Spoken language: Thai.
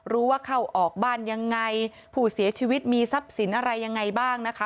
เข้าออกบ้านยังไงผู้เสียชีวิตมีทรัพย์สินอะไรยังไงบ้างนะคะ